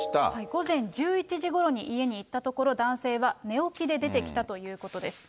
午前１１時ごろに家に行ったところ、男性は寝起きで出てきたということです。